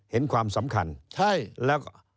เห็นความสำคัญแล้ว